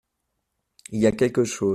Il y a quelque chose…